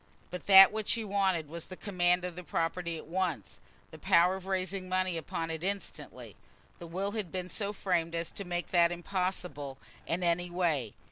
But that which he wanted was the command of the property at once, the power of raising money upon it instantly. The will had been so framed as to make that impossible in any way.